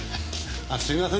あすいませんね。